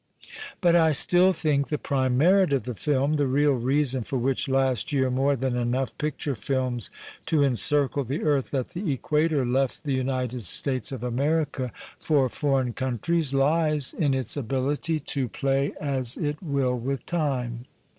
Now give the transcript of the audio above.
But I still think the prime merit of the lilm — the real reason for which last year more than enough picture films to encircle the earth at the Equator left the United States of America for foreign countries — lies in its ability to 228 TIME AND THE FILM play as it will with time.